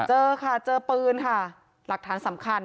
เจอค่ะเจอปืนค่ะหลักฐานสำคัญ